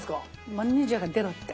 マネージャーが出ろって。